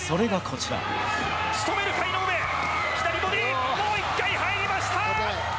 もう１回入りました！